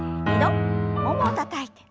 ももをたたいて。